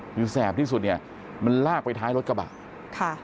คือแสบที่สุดเนี่ยมันลากไปท้ายรถกระบะค่ะ